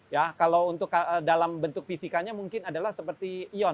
ya kalau untuk dalam bentuk fisikanya mungkin adalah seperti ion